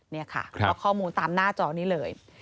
นี่ค่ะก็ข้อมูลตามหน้าจอนี้เลย